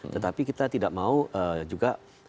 tetapi kita tidak mau juga